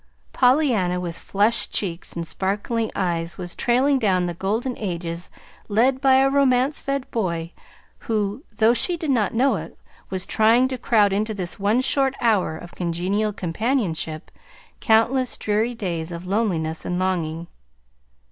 Pollyanna, with flushed cheeks and sparkling eyes was trailing down the golden ages led by a romance fed boy who though she did not know it was trying to crowd into this one short hour of congenial companionship countless dreary days of loneliness and longing.